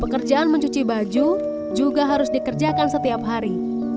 pekerjaan mencuci baju juga harus dikerjakan setiap hari